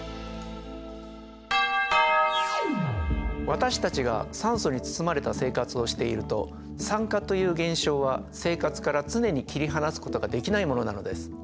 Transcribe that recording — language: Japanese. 私たちが酸素に包まれた生活をしていると酸化という現象は生活から常に切り離すことができないものなのです。